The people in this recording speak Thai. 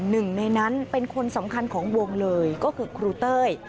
หนึ่งในนั้นเป็นคนสำคัญของวงเลยก็คือครูเต้ย